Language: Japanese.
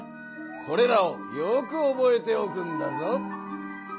これらをよくおぼえておくんだぞ。